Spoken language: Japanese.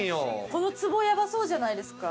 このつぼやばそうじゃないですか？